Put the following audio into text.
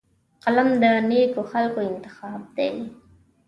قلم د نیکو خلکو انتخاب دی